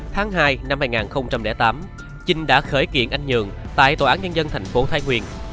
tháng hai năm hai nghìn tám chinh đã khởi kiện anh nhường tại tòa án nhân dân thành phố thái nguyên